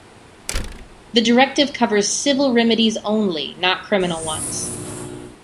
The directive covers civil remedies only-not criminal ones.